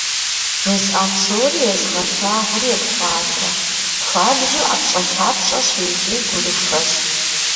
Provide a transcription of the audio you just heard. ЖысӀэ псори, езгъэлъагъури епхъуатэ, хуабжьу ӏэпщӏэлъапщӏэщ икӏи гурыхуэщ.